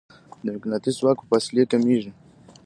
د مقناطیس ځواک په فاصلې کمېږي.